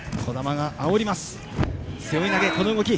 背負い投げ、この動き。